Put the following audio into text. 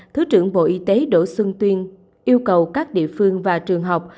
thứ trưởng bộ y tế đỗ xuân tuyên yêu cầu các địa phương và trường học